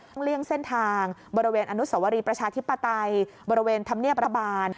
เลี่ยงเส้นทางบริเวณอนุสวรีประชาธิปไตยบริเวณธรรมเนียบรัฐบาล